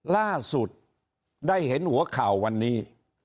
ล่าสุดได้เห็นหัวข่าววันนี้